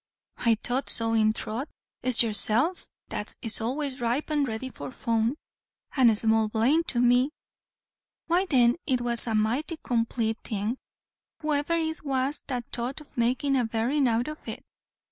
"I thought so in throth. It's yoursef that is always ripe and ready for fun." "And small blame to me." "Why then it was a mighty complate thing, whoever it was that thought of makin' a berrin', out of it."